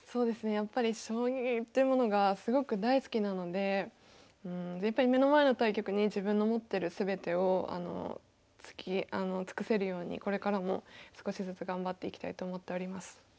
やっぱり将棋というものがすごく大好きなのでやっぱり目の前の対局に自分の持ってる全てを尽くせるようにこれからも少しずつ頑張っていきたいと思っております。